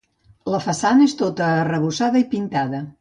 La façana és tota arrebossada i pintada.